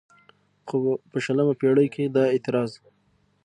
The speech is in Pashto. خو په شلمه پېړۍ کې دا اعتراض